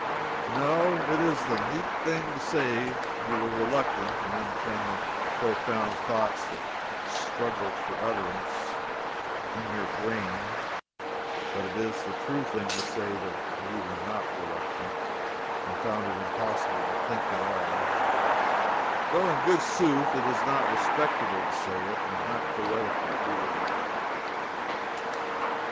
No, it is the neat thing to say you were reluctant, and then append the profound thoughts that "struggled for utterance," in your brain; but it is the true thing to say you were not reluctant, and found it impossible to think at all though in good sooth it is not respectable to say it, and not poetical, either.